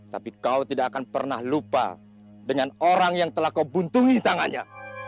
tapi kau tidak akan pernah lupa dengan orang yang telah kau buntungi tangannya